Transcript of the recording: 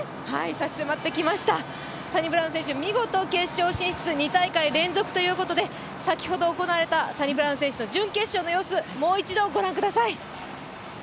差し迫ってきました、サニブラウン選手、見事決勝進出、２大会連続ということで先ほど行われたサニブラウン選手の準決勝の様子、もう一度ご覧ください。